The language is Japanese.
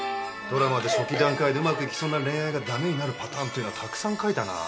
ドラマで初期段階でうまくいきそうな恋愛が駄目になるパターンっていうのはたくさん書いたな。